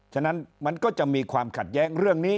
ฉะนั้นมันก็จะมีความขัดแย้ง